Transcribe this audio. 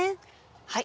はい。